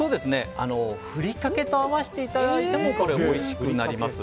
ふりかけと合わせていただいてもおいしくなります。